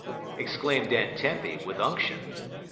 exclaimed Aunt Tempy, with unction.